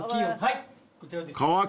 はいこちらです。